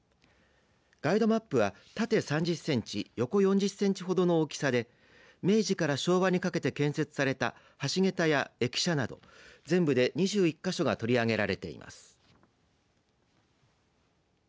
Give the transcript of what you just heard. ガイドマップは縦３０センチ横４０センチほどの大きさで明治から昭和にかけて建設された橋げたや駅舎など全部で２１か所が取り上げられています。